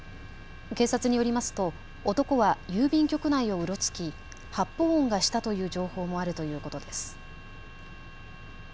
警察によりますと男は郵便局内をうろつき、発砲音がしたという情報もあるということです。